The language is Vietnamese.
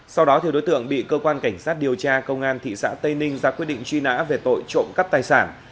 sau đó đối tượng bị cơ quan cảnh sát điều tra công an thị xã tây ninh ra quyết định truy nã về tội trộm cắp tài sản